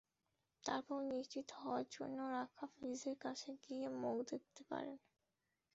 তারপর নিশ্চিত হওয়ার জন্য লাশ রাখা ফ্রিজের কাছে গিয়ে মুখ দেখতে পারেন।